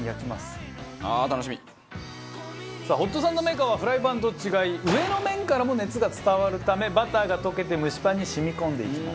さあホットサンドメーカーはフライパンと違い上の面からも熱が伝わるためバターが溶けて蒸しパンに染み込んでいきます。